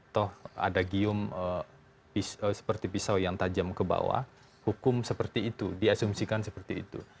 toh ada gium seperti pisau yang tajam ke bawah hukum seperti itu diasumsikan seperti itu